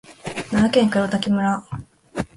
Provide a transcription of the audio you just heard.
奈良県黒滝村